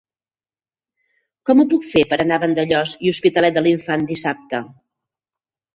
Com ho puc fer per anar a Vandellòs i l'Hospitalet de l'Infant dissabte?